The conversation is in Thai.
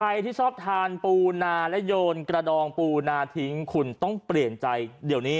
ใครที่ชอบทานปูนาและโยนกระดองปูนาทิ้งคุณต้องเปลี่ยนใจเดี๋ยวนี้